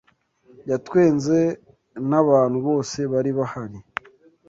Yatwenze nabantu bose bari bahari.